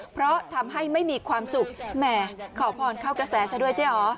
เพราะทำให้ไม่มีความสุขแหมขอพรเข้ากระแสซะด้วยเจ๊อ๋อ